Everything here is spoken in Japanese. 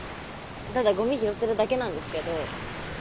ただゴミ拾ってるだけなんですけど。